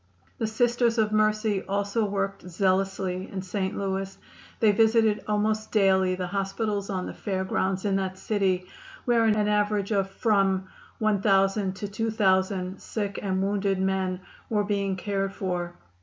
The Sisters of Mercy also worked zealously in St. Louis. They visited almost daily the hospitals on the Fair Grounds in that city, where an average of from 1000 to 2000 sick and wounded men were being cared for.